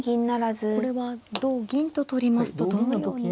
これは同銀と取りますとどのように。